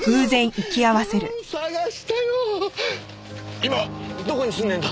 今どこに住んでるんだ？